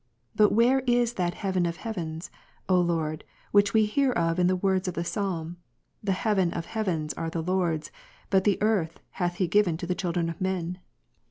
But where is that heaven of heavens, O Lord, which we hear of in the words of the Psalm, The heaven of heavens ^ are the Lord's ; Ps. 115, but the earth hath He given to the children of men